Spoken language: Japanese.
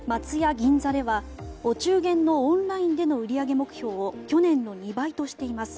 銀座では、お中元のオンラインでの売り上げ目標を去年の２倍としています。